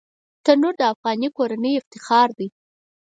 تنور د افغاني کورنۍ افتخار دی